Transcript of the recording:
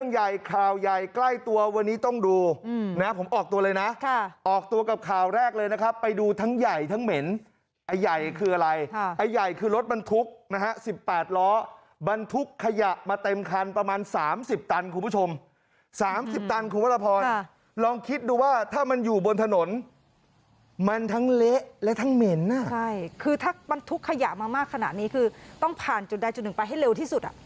ทั้งใหญ่ข่าวใหญ่ใกล้ตัววันนี้ต้องดูนะผมออกตัวเลยนะค่ะออกตัวกับข่าวแรกเลยนะครับไปดูทั้งใหญ่ทั้งเหม็นไอ้ใหญ่คืออะไรไอ้ใหญ่คือรถบรรทุกนะฮะสิบแปดล้อบรรทุกขยะมาเต็มคันประมาณสามสิบตันคุณผู้ชมสามสิบตันคุณพระพรค่ะลองคิดดูว่าถ้ามันอยู่บนถนนมันทั้งเละและทั้งเหม็นอ่ะใช่คือถ้าบรรท